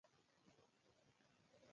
پوهاوی ظالم لوڅوي.